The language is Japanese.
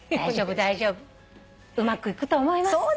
うまくいくと思います。